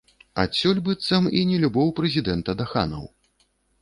Адсюль, быццам, і нелюбоў прэзідэнта да ханаў.